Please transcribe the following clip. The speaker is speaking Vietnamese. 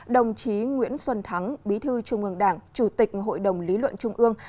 đồng chí nguyễn xuân thắng bí thư trung ương đảng chủ tịch hội đồng lý luận trung ương